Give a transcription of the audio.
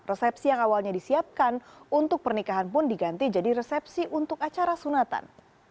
resepsi yang awalnya disiapkan untuk pernikahan pun diganti jadi resepsi untuk acara sunatan